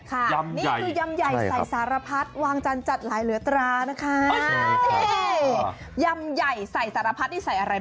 ข้างบัวแห่งสันยินดีต้อนรับทุกท่านนะครับ